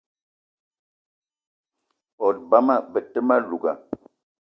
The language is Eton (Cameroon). Bot bama be te ma louga